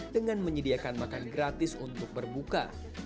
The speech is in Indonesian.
dengan menyediakan makan gratis untuk berbuka